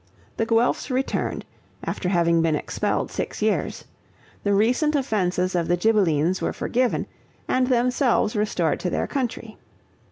The Guelphs returned, after having been expelled six years; the recent offences of the Ghibellines were forgiven, and themselves restored to their country.